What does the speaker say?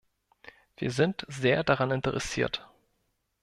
Wir sind sehr daran interessiert.